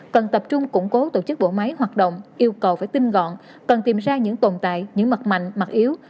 cần tập trung củng cố tổ chức bộ máy hoạt động yêu cầu phải tinh gọn cần tìm ra những tồn tại những mặt mạnh mặt yếu